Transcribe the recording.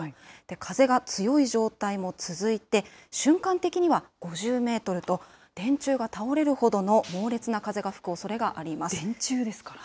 風が強い状態も続いて、瞬間的には５０メートルと、電柱が倒れるほどの猛烈な風が吹くおそれがあ電柱ですからね。